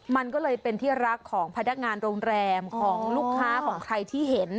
มันก็เลยเป็นที่รักของพนักงานโรงแรมของลูกค้าของใครที่เห็น